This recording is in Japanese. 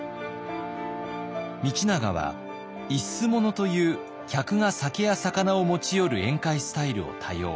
道長は一種物という客が酒や肴を持ち寄る宴会スタイルを多用。